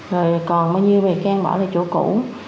rồi còn bao nhiêu bị can bỏ lại chỗ cũ